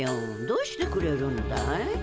どうしてくれるんだい。